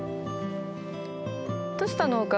どうしたの？